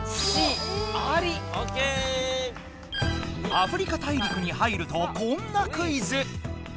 アフリカ大陸に入るとこんなクイズ。